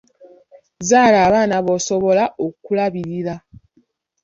Zzaala abaana b'osobola okulabirira.